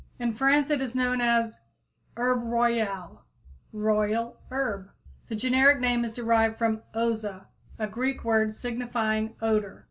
In France it is known as herb royale, royal herb. The generic name is derived from Oza, a Greek word signifying odor.